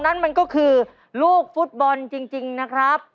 นั่นมันก็คือลูกฟุตบอลจริงนะครับ